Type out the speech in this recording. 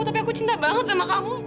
tapi aku cinta banget sama kamu